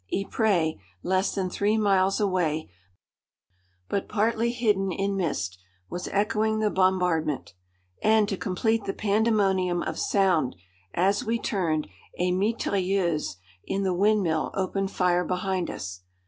Ypres, less than three miles away, but partly hidden in mist, was echoing the bombardment. And to complete the pandemonium of sound, as we turned, a mitrailleuse in the windmill opened fire behind us.